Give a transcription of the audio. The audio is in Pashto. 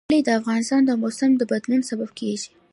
کلي د افغانستان د موسم د بدلون سبب کېږي.